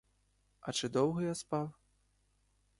А чи довго я спав?